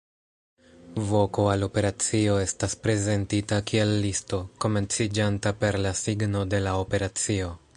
Voko al operacio estas prezentita kiel listo, komenciĝanta per la signo de la operacio.